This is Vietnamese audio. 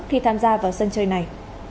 khi tham gia vào sân chơi này